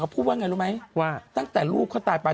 พูดว่าไงรู้ไหมว่าตั้งแต่ลูกเขาตายไป